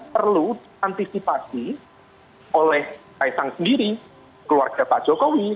perlu diantisipasi oleh kaisang sendiri keluarga pak jokowi